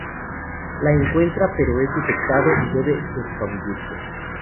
La encuentra, pero es detectado y debe escabullirse.